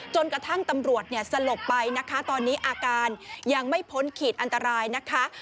จนกระทั่งตำรวจเนี่ยสลบไปนะคะตอนนี้อาการยังไม่พ้นขีดอันตรายนะคะ